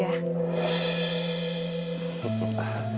aku baik baik saja